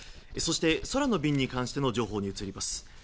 そして、空の便に関しての情報に移ります。